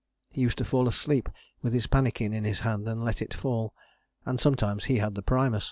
He used to fall asleep with his pannikin in his hand and let it fall: and sometimes he had the primus.